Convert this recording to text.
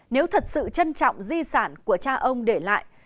nếu thật sự trân trọng di sản của cha ông để lại